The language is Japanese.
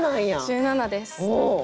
１７です。